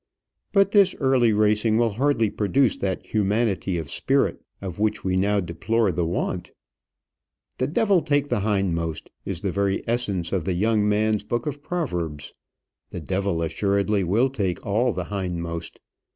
But this early racing will hardly produce that humanity of spirit of which we now deplore the want. "The devil take the hindmost" is the very essence of the young man's book of proverbs. The devil assuredly will take all the hindmost.